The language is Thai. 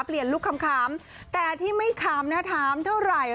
เปลี่ยนลูกคำแต่ที่ไม่คำนะท้ามเท่าไหร่